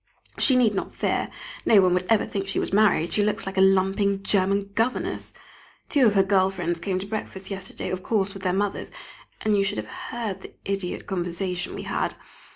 She need not fear, no one would ever think she was married, she looks like a lumping German governess. Two of her girl friends came to breakfast yesterday, of course with their mothers, and you should have heard the idiot conversation we had!